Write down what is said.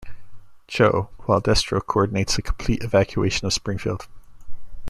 Joe, while Destro coordinates a complete evacuation of Springfield.